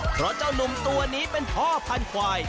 เพราะเจ้านุ่มตัวนี้เป็นพ่อพันธวาย